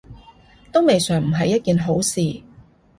都未嘗唔係一件好事